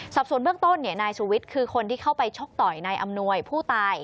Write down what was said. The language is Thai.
สอบส่วนเบื้องต้นนายชูวิทย์คือคนที่เข้าไปชกต่อยนายอำนวยผู้ตาย